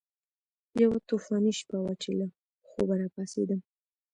یوه طوفاني شپه وه چې له خوبه راپاڅېدم.